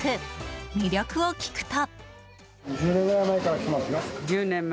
魅力を聞くと。